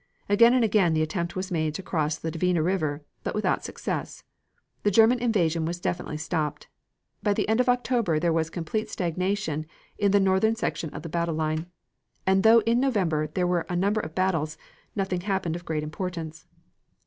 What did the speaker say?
Again and again the attempt was made to cross the Dvina River, but without success; the German invasion was definitely stopped. By the end of October there was complete stagnation in the northern sector of the battle line, and though in November there were a number of battles, nothing happened of great importance.